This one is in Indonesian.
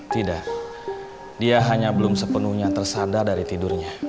tidak dia hanya belum sepenuhnya tersandar dari tidurnya